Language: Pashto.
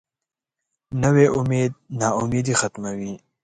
نوی امید نا امیدي ختموي